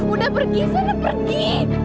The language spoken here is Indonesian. udah pergi sana pergi